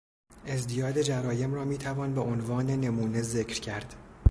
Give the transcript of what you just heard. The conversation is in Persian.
ازدیاد جرایم را میتوان به عنوان نمونه ذکر کرد.